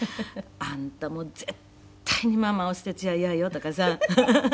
「“あんたもう絶対にママを捨てちゃイヤよ”とかさ」